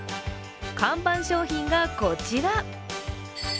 看板商品がこちら。